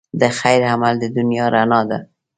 د خیر عمل د دنیا رڼا ده.